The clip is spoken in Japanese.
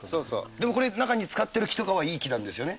でもこれ中に使ってる木とかはいい木なんですよね？